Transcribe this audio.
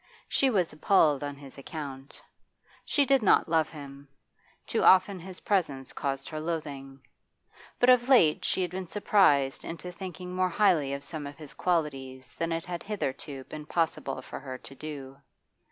She was appalled on his account. She did not love him; too often his presence caused her loathing. But of late she had been surprised into thinking more highly of some of his qualities than it had hitherto been possible for her to do.